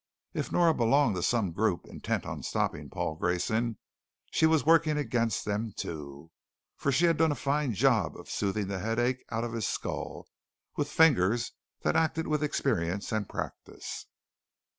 If Nora belonged to some group intent on stopping Paul Grayson, she was working against them, too. For she had done a fine job of smoothing the headache out of his skull with fingers that acted with experience and practise.